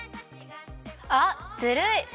あっずるい！